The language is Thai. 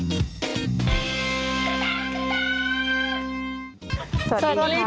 สวัสดีครับ